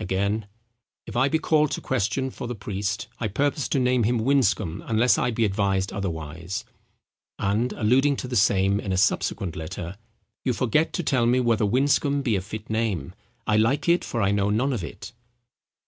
Again; "If I be called to question for the priest, I purpose to name him Winscombe, unless I be advised otherwise." And, alluding to the same in a subsequent letter—"You forget to tell me whether Winscombe be a fit name. I like it, for I know none of it."